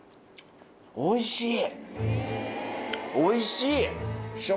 おいしい。